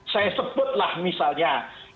saya sebutlah misalnya